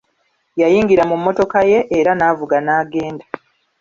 Yayingirira mu mmotoka ye era n'avuga n'agenda.